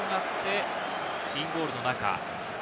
インゴールの中。